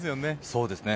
そうですね。